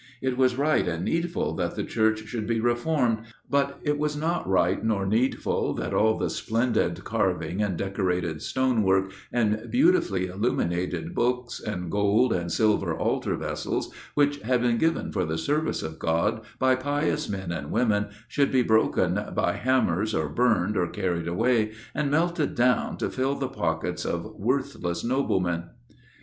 It was right and needful that the Church should be reformed; but it was not right nor needful that all the splendid carving, and decorated stonework, and beautifully illuminated books, and gold and silver altar vessels, which had been given for the Service of God by pious men and women, should be broken by hammers, or burned, or carried away and melted down, to fill the pockets of worthless noblemen.